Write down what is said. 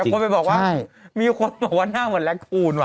แต่พูดไปบอกว่ามีคนบอกว่าหน้าเหมือนแรกคูณว่ะ